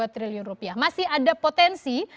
dua triliun rupiah masih ada potensi